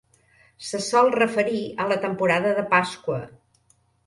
Se sol referir a la temporada de Pasqua.